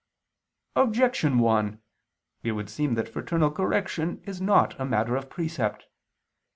Objection 1: It would seem that fraternal correction is not a matter of precept.